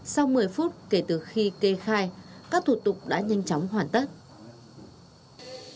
sau một mươi phút kể từ khi kê khai các thủ tục đã nhanh chóng hoàn tất